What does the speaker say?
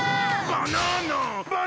バナナ！